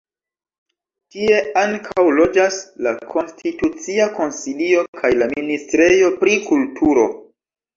Tie ankaŭ loĝas la Konstitucia Konsilio kaj la ministrejo pri kulturo.